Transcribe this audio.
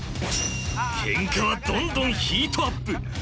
ケンカはどんどんヒートアップ！